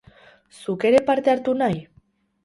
Zuk ere eparte hartu nahi?